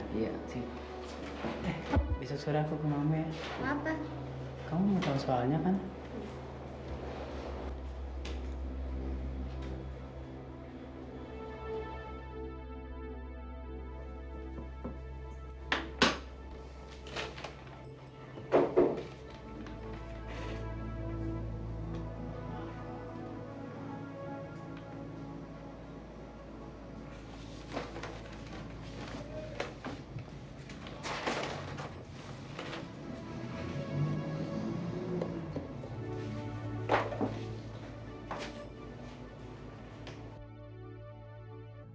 tapi sebelum ibu mengumpulkan pekerjaan kalian